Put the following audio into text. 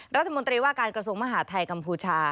รัฐมนตรีว่าการกระทรวงมหาทัยกัมพูชา